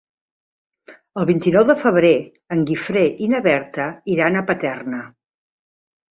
El vint-i-nou de febrer en Guifré i na Berta iran a Paterna.